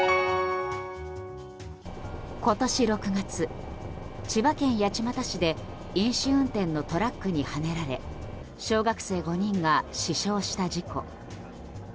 今年６月、千葉県八街市で飲酒運転のトラックにはねられ小学生５人が死傷した事故。